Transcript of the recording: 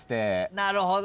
なるほど。